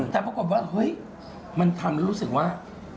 แต่ปรากฏว่าเฮ้ยมันทำให้รู้สึกว่า